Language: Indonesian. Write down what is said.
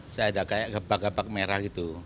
saya ada kayak gepak gepak merah gitu